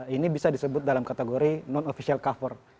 ini bisa disebut dalam kategori non official cover